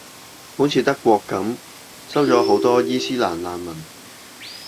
好似德國噉，收咗好多伊期蘭難民